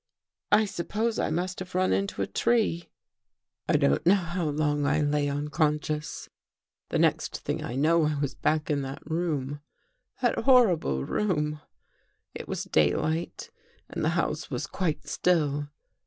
I suppose I must have run into a tree. " I don't know how long I lay unconscious. The next thing I know I was back in that room — that horrible room. It was daylight and the house was quite still.